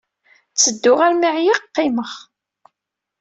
Ttedduɣ armi ɛyiɣ, qqimeɣ.